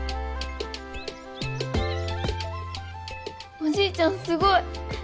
おじいちゃんすごい。